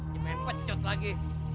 jempen pecut lagi